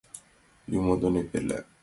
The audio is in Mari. Юмо дене пырля.